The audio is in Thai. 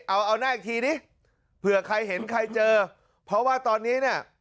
เอาเอาหน้าอีกทีดิเผื่อใครเห็นใครเจอเพราะว่าตอนนี้เนี่ย